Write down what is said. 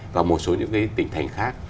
và một số những cái tỉnh thành khác